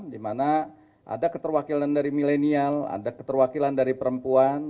dimana ada keterwakilan dari milenial ada keterwakilan dari perempuan